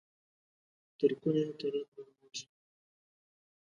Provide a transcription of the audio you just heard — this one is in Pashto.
تر کونه يې کلات معلومېږي.